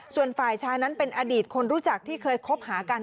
ส่วนฝ่ายชายนั้นเป็นอดีตคนรู้จักที่เคยคบหากัน